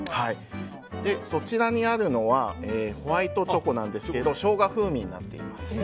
そちらにあるのはホワイトチョコなんですけどショウガ風味になっています。